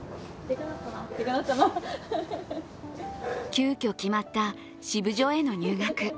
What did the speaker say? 急きょ決まったシブジョへの入学。